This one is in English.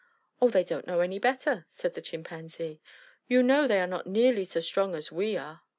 "Oh, they don't know any better," said the Chimpanzee. "You know they are not nearly so strong as we are."